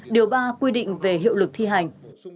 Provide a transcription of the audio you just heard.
điều ba quy định về hiệu lực thi hành